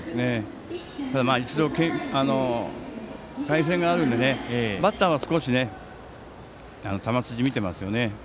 ただ、一度対戦があるのでバッターは少し球筋、見てますよね。